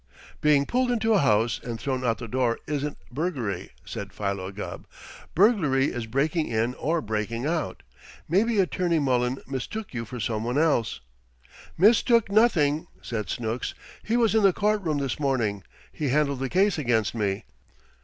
"Being pulled into a house and thrown out the other door isn't burglary," said Philo Gubb. "Burglary is breaking in or breaking out. Maybe Attorney Mullen mistook you for some one else." "Mistook nothing!" said Snooks. "He was in the court room this morning. He handled the case against me.